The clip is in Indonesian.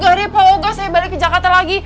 gagalnya pak oga saya balik ke jakarta lagi